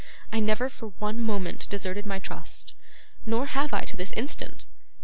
I never, for one moment, deserted my trust, nor have I to this instant.